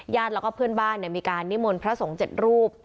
แล้วก็เพื่อนบ้านมีการนิมนต์พระสงฆ์๗รูป